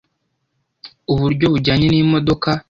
uburyo bujyanye n’imodoka